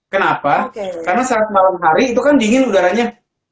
kenapa karena saat malam hari itu kan dingin udaranya